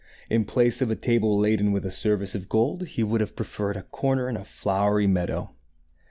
In place of a table laden with a service of gold, he would have preferred a corner in a flowery meadow.